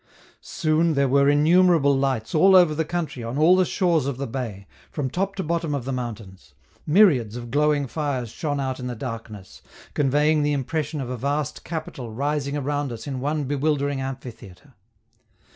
Soon there were innumerable lights all over the country on all the shores of the bay, from top to bottom of the mountains; myriads of glowing fires shone out in the darkness, conveying the impression of a vast capital rising around us in one bewildering amphitheatre.